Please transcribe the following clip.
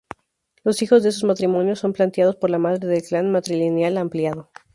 Los hijos de esos matrimonios son planteadas por la madre del clan matrilineal ampliado.